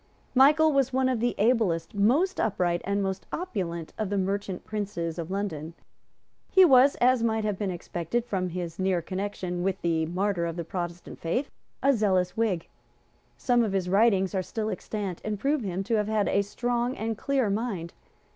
Michael was one of the ablest, most upright and most opulent of the merchant princes of London. He was, as might have been expected from his near connection with the martyr of the Protestant faith, a zealous Whig. Some of his writings are still extant, and prove him to have had a strong and clear mind.